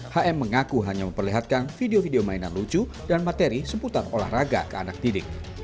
hm mengaku hanya memperlihatkan video video mainan lucu dan materi seputar olahraga ke anak didik